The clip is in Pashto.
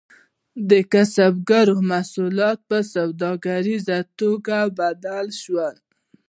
د کسبګرو محصولات په سوداګریزو توکو بدل شول.